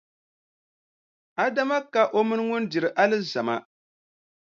Adama ka o mini ŋun diri alizama.